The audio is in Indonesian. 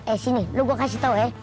eh sini lu gue kasih tau ya